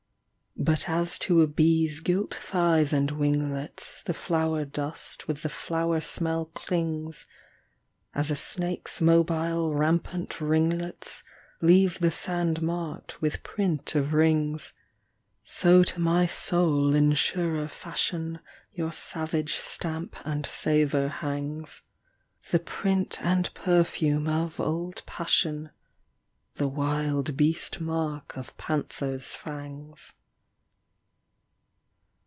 But as to a bee's gilt thighs and winglets The flower dust with the flower smell clings ; As a snake's mobile rampant ringlets Leave the sand marked with print of rings ; So to my soul in surer fashion Your savage stamp and savour hangs ; The print and perfume of old passion. The wild beast mark of panther's fangs.